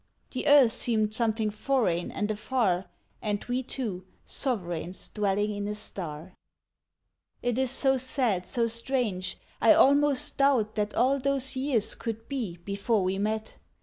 The earth seemed something foreign and afar, And we two, sovereigns dwelling in a star! It is so sad, so strange, I almost doubt That all those years could be, before we met.